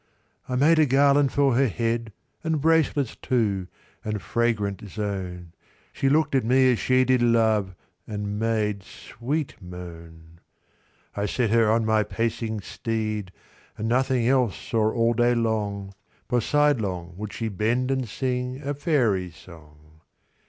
V.I made a garland for her head, And bracelets too, and fragrant zone; She look'd at me as she did love, And made sweet moan. VI.I set her on my pacing steed, And nothing else saw all day long, For sidelong would she bend, and singA faery's song. VII.